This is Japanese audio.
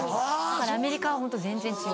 アメリカはホント全然違う。